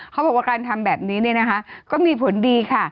เขาบอกว่าการทำแบบนี้เนี่ยนะคะก็มีผลดีค่ะ